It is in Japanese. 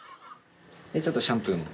ちょっとシャンプーも。